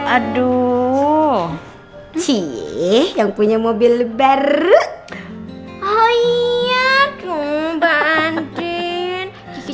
aduh cie yang punya mobil baru oh iya